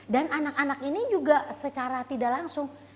dan anak anak ini juga secara tidak langsung